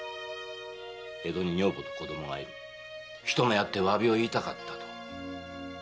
「江戸に女房と子供がいる」「一目会って詫びを言いたかった」と。